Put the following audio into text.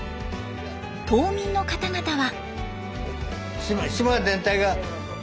島民の方々は。